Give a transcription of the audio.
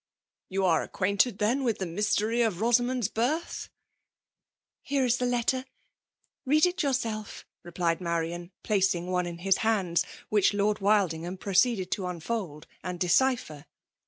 '' You are acquainted^ thei^ with the mystt^ry of Rosamond's birth ?"" Hero is the letter— read it yourselC r'eplied Marian, placing one in his hands, wbiqh liord Wildingham paroceeded tp unfold and di^jpher.